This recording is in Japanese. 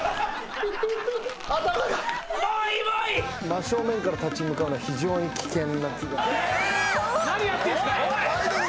真正面から立ち向かうのは非常に危険な気が。